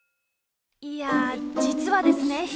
いや実はですね